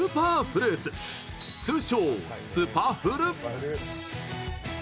通称スパフル。